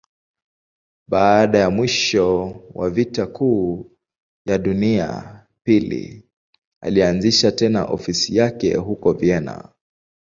Baada ya mwisho wa Vita Kuu ya Pili, alianzisha tena ofisi yake huko Vienna.